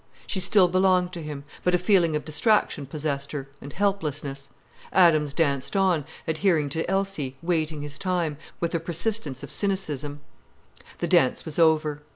She still belonged to him, but a feeling of distraction possessed her, and helplessness. Adams danced on, adhering to Elsie, waiting his time, with the persistence of cynicism. The dance was over.